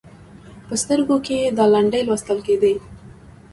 په سترګو کې یې دا لنډۍ لوستل کېدې: